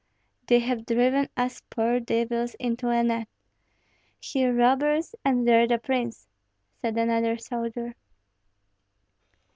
"They have driven us poor devils into a net; here robbers, and there the prince," said another soldier.